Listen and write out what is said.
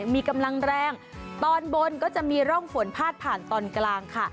มีกำลังแรงตอนบนก็จะมีร่องฝนพาดผ่านตอนกลางค่ะ